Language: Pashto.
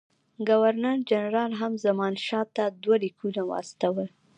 ګورنر جنرال هم زمانشاه ته دوه لیکونه واستول.